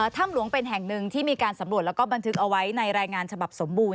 ถ้ำหลวงเป็นแห่งหนึ่งที่มีการสำรวจแล้วก็บันทึกเอาไว้ในรายงานฉบับสมบูรณ